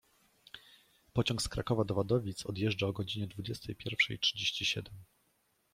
Pociąg z Krakowa do Wadowic odjeżdża o godzinie dwudziestej pierwszej trzydzieści siedem.